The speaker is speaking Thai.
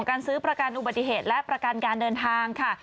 การซื้อประกันอุบัติเหตุและประกันการเดินทางค่ะ